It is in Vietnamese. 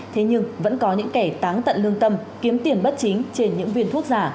thế nhưng vẫn có những kẻ táng tận lương tâm kiếm tiền bất chính trên những viên thuốc giả